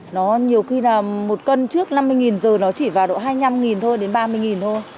nó nhiều khi là một cân trước năm mươi giờ nó chỉ vào độ hai mươi năm thôi đến ba mươi thôi